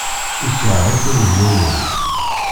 Ikṛeh-it umejnun-iw.